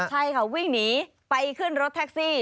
ใช่ค่ะวิ่งหนีไปขึ้นรถแท็กซี่